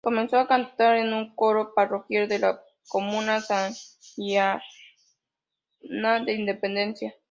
Comenzó a cantar en un coro parroquial de la comuna santiaguina de Independencia.